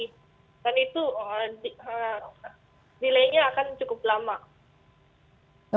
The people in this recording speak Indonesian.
dan itu delay nya akan cukup lama